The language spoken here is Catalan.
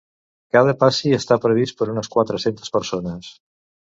Cada passi està previst per unes quatre-centes persones.